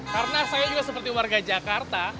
karena saya juga seperti warga jakarta